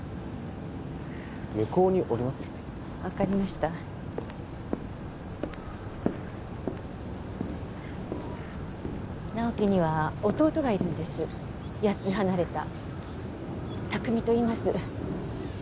向こうにおりますので分かりました直木には弟がいるんです８つ離れた拓海といいます